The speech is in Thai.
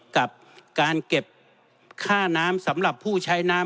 กับการเก็บค่าน้ำสำหรับผู้ใช้น้ำ